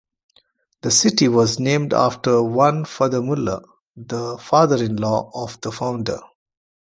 The city was named after one Mr. Fuller, the father-in-law of the founder.